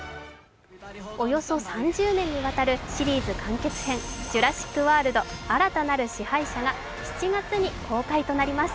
およそ３０年にわたるシリーズ完結編「ジュラシック・ワールド／新たなる支配者」が７月に公開となります。